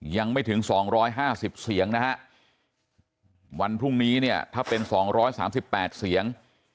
ยังไม่ถึงสองร้อยห้าสิบเสียงนะฮะวันพรุ่งนี้เนี่ยถ้าเป็นสองร้อยสามสิบแปดเสียง